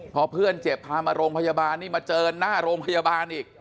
พอเพื่อนเจ็บพามาโรงพยาบาลนี่มาเจอหน้าโรงพยาบาลอีก